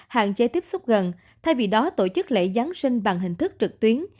hạn chế tiếp xúc gần thay vì đó tổ chức lễ giáng sinh bằng hình thức trực tuyến